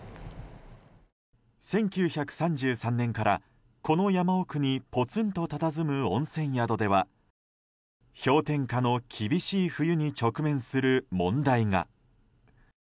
１９３３年から、この山奥にぽつんとたたずむ温泉宿では氷点下の厳しい冬に直面する問題が。